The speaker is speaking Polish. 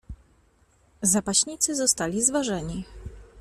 "Zapaśnicy zostali zważeni."